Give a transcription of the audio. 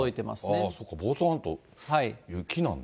そうか、房総半島雪なんだ。